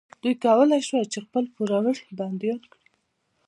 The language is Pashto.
دوی کولی شول چې خپل پوروړي بندیان کړي.